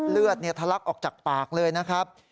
เลือดทะลักออกจากปากเลยนะครับ